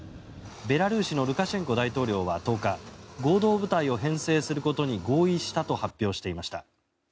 ベラルーシのルカシェンコ大統領は１０日合同部隊を編成することに合意したと発表していました。